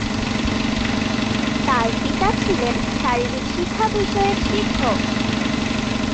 তার পিতা ছিলেন শারীরিক শিক্ষা বিষয়ের শিক্ষক।